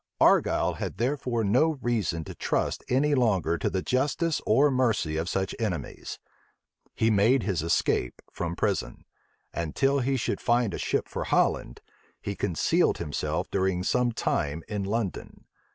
Argyle had therefore no reason to trust any longer to the justice or mercy of such enemies: he made his escape from prison; and till he should find a ship for Holland he concealed himself during some time in London.